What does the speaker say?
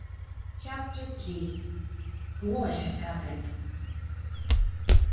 CHAPTER III WHAT HAS HAPPENED?